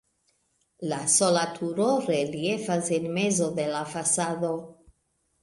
La sola turo reliefas en mezo de la fasado.